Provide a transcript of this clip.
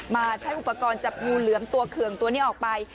ใช้อุปกรณ์จับงูเหลือมตัวเคืองตัวนี้ออกไป